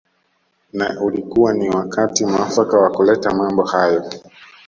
Na ulikuwa ni wakati muafaka wa kuleta mambo hayo